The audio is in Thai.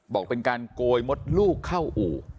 บอกเป็นการโกยมดลูกเข้าอู่